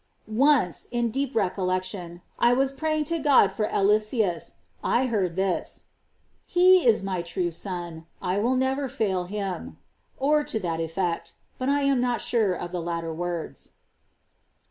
7. Once, in deep recollection, I was praying to God for Eliseus ;^ I heard this :" He is My true son ; I will never fail him," or to that effect ; but I am not sure of the latter words.